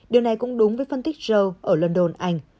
điều này cũng đúng với phân tích sâu ở london anh